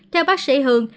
theo bác sĩ hường